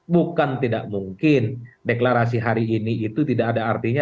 bukan tidak mungkin deklarasi hari ini itu tidak ada artinya